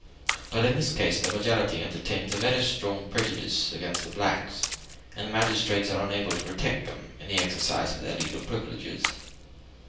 But in this case the majority entertains very strong prejudices against the blacks, and the magistrates are unable to protect them in the exercise of their legal privileges."